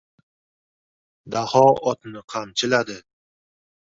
Daho otni qamchiladi.